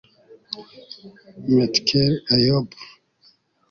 Metkel Eyob